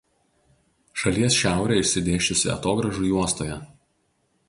Šalies šiaurė išsidėsčiusi atogrąžų juostoje.